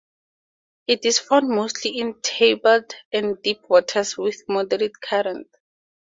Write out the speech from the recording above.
It is found mostly in turbid and deep waters with moderate current.